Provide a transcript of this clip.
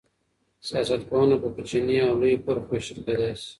سياستپوهنه په کوچنۍ او لويې برخو وېشل کېدای سي.